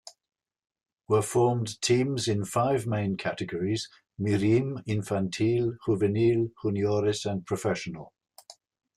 Were formed teams in five main categories: Mirim, Infantil, Juvenil, Juniores and professional.